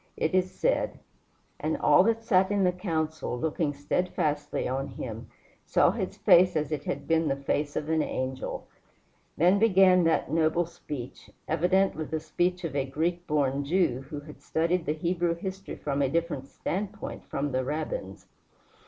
It is said: "And all that sat in the council, looking steadfastly on him, saw his face as it had been the face of an angel." Then began that noble speech, evidently the speech of a Greek born Jew, who had studied the Hebrew history from a different standpoint from the Rabbins.